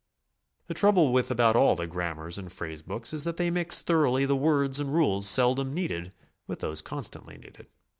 The trouble with about all the grammars and phrase books is that they mix thoroughly the words and rules seldom needed with those constantly needed.